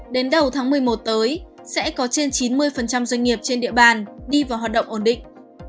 đến đầu tháng một mươi một tới sẽ có trên chín mươi doanh nghiệp trên địa bàn đi vào hoạt động ổn định